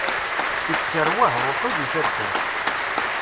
Ikker wahruḥu di taddart.